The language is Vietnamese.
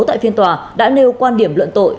tại phiên tòa đã nêu quan điểm luận tội